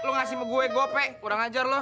lu ngasih gue gope kurang ajar loh